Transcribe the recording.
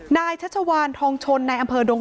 ชัชวานทองชนในอำเภอดง